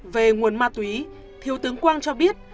về nguồn ma túy thiếu tướng quang cho biết